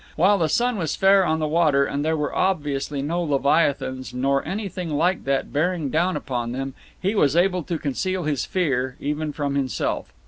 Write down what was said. While the sun was fair on the water and there were obviously no leviathans nor anything like that bearing down upon them he was able to conceal his fear even from himself.